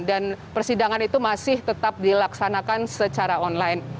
dan persidangan itu masih tetap dilaksanakan secara online